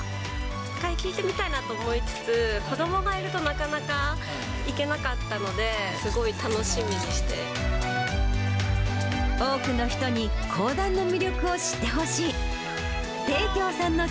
一回聞いてみたいなと思いつつ、子どもがいると、なかなか行けなかったので、多くの人に講談の魅力を知ってほしい。